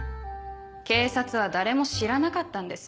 警察は誰も知らなかったんです